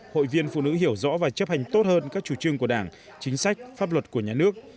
hội viên phụ nữ hiểu rõ và chấp hành tốt hơn các chủ trương của đảng chính sách pháp luật của nhà nước